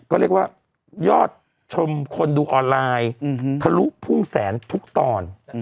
ก็เรียกว่ายอดชมคนดูออนไลน์ทะลุพุ่งแสนทุกตอน